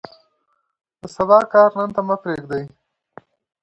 د سبا کار نن ته مه پرېږدئ.